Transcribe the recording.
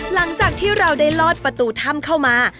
หลังจากที่เราได้ลอดประตูถ้ำเข้ามา